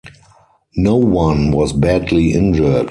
No one was badly injured.